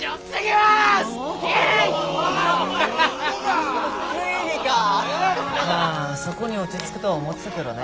まあそこに落ち着くとは思ってたけどね。